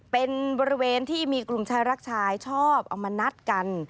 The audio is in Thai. เป็นบริเวณที่มีกลุ่มชายรักชายชอบเอามานัดกัน